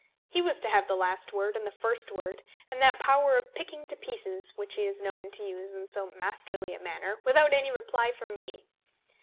He was to have the last word and the first word, and that power of picking to pieces which he is known to use in so masterly a manner, without any reply from me!